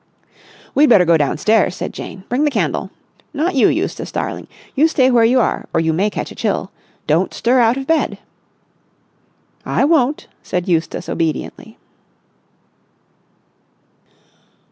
"We'd better go downstairs," said Jane. "Bring the candle. Not you, Eustace darling. You stay where you are or you may catch a chill. Don't stir out of bed!" "I won't," said Eustace obediently.